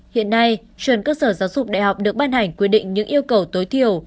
hiện nay chuẩn cơ sở giáo dục đại học được ban hành quy định những yêu cầu tối thiểu